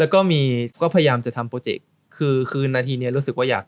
ก็พลิกเรื่อง